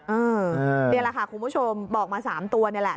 เออเดี๋ยวล่ะค่ะคุณผู้ชมบอกมา๓ตัวนี่แหละ